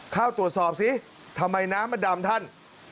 เข้าตรวจสอบสิทำไมน้ำมันดำท่าน